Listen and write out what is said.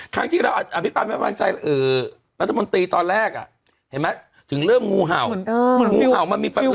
ครั้งที่เราอภิกายแม่งมั่นใจปัจจับนตรีตอนแรกอ่ะเห็นไหมถึงเรื่องงูเห่า